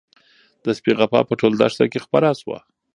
د سپي غپا په ټوله دښته کې خپره شوه.